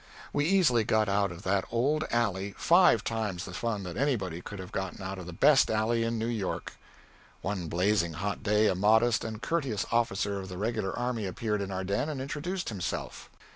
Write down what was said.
We easily got out of that old alley five times the fun that anybody could have gotten out of the best alley in New York. One blazing hot day, a modest and courteous officer of the regular army appeared in our den and introduced himself.